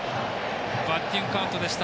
バッティングカウントでした。